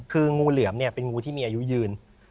คืองูเหลือมเนี่ยเป็นงูที่มีอายุยืน